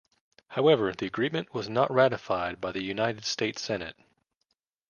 However, the agreement was not ratified by the United States Senate.